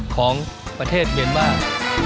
ของประเทศเมียนมาร์